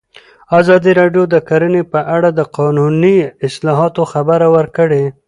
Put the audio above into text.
ازادي راډیو د کرهنه په اړه د قانوني اصلاحاتو خبر ورکړی.